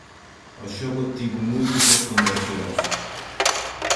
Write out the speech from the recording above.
O xogo tivo múltiples conversións.